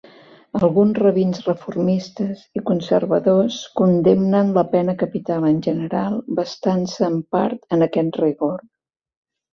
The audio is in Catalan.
Alguns rabins reformistes i conservadors condemnen la pena capital en general, bastant-se, en part, en aquest rigor.